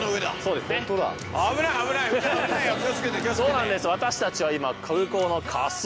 そうなんです。